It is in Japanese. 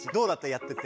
やってて。